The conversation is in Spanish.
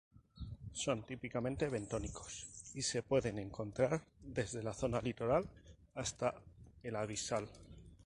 Son típicamente bentónicos y se pueden encontrar desde la zona litoral hasta el abisal.